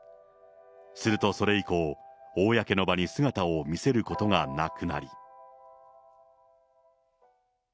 するとそれ以降、公の場に姿を見せることがなくなり。